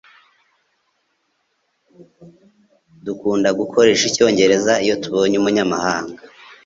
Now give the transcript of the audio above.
Dukunda gukoresha icyongereza iyo tubonye umunyamahanga.